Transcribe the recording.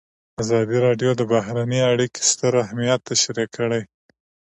ازادي راډیو د بهرنۍ اړیکې ستر اهميت تشریح کړی.